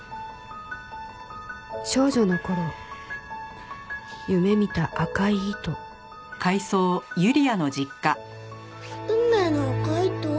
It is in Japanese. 少女の頃夢見た赤い糸運命の赤い糸？